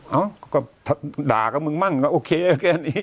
เอ้าก็ถ้าด่ากับมึงมั่งก็โอเคแค่นี้